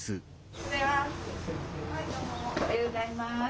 おはようございます。